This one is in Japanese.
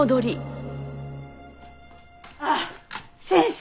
あっ先生